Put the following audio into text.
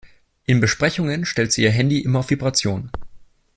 In Besprechungen stellt sie ihr Handy immer auf Vibration.